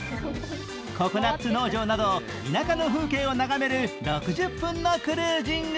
ココナッツ農場など田舎の風景を眺める６０分のクルージング。